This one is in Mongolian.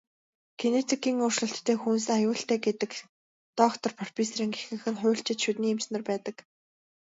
Генетикийн өөрчлөлттэй хүнс аюултай гэдэг доктор, профессорын ихэнх нь хуульчид, шүдний эмч нар байдаг.